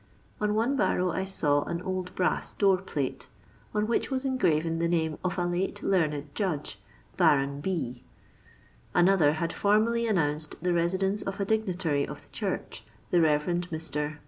On one barrow I saw an old brass door plate, on which was engraven the name of a late learned judge. Baron B ; another had formerly an nounced the residence of a dignitary of the church, the K«v. Mr.